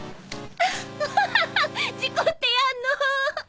ハハハ事故ってやんの。